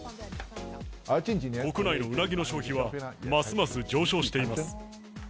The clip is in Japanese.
国内のうなぎの消費は、ますます上昇しています。